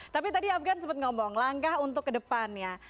tapi tadi afgan sempat ngomong langkah untuk ke depannya